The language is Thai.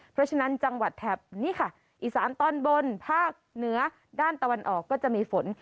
เพราะฉะนั้นจังหวัดแถบนี่ค่ะอีสานตอนบนภาคเหนือด้านตะวันออกก็จะมีฝน